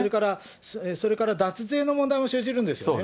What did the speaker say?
それから脱税の問題も生じるんですよね。